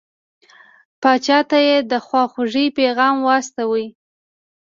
پاچا ته یې د خواخوږی پیغام واستاوه.